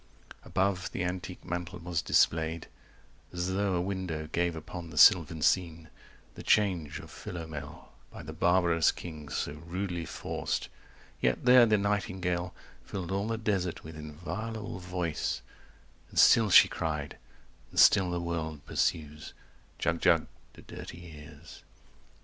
Above the antique mantel was displayed As though a window gave upon the sylvan scene The change of Philomel, by the barbarous king So rudely forced; yet there the nightingale 100 Filled all the desert with inviolable voice And still she cried, and still the world pursues, "Jug Jug" to dirty ears.